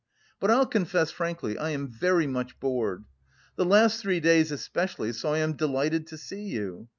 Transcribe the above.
But I'll confess frankly, I am very much bored. The last three days especially, so I am delighted to see you....